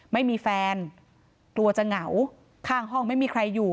ไม่มีแฟนกลัวจะเหงาข้างห้องไม่มีใครอยู่